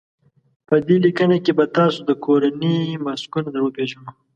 په دې لیکنه کې به تاسو ته کورني ماسکونه در وپېژنو.